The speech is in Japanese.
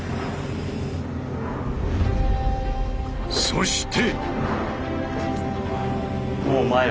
そして！